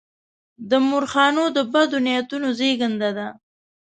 د مورخانو د بدو نیتونو زېږنده ده.